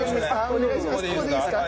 お願いします。